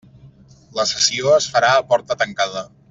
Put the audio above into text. La sessió es farà a porta tancada.